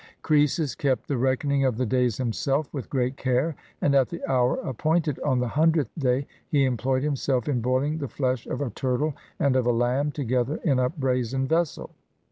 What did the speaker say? Crcesus kept the reckoning of the days himself with great care, and at the hour appointed on the hundredth day, he employed himself in boiling the flesh of a turtle and of a lamb together in a brazen vessel.